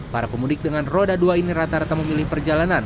para pemudik dengan roda dua ini rata rata memilih perjalanan